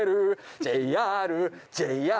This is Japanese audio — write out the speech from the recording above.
「ＪＲＪＲ